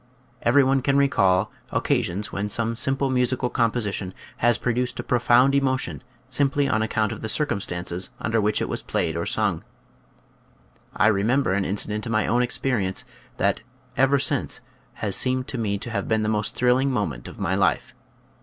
Every one can recall oc casions when some simple musical composi tion has produced a profound emotion simply on account of the circumstances under which it was played or sung, I remember an inci dent in my own experience that, ever since, has seemed to me to have been the most thril ling moment of my life.